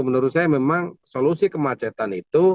menurut saya memang solusi kemacetan itu